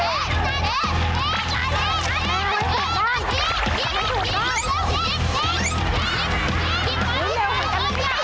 เร็วอย่าให้พ้องแบบ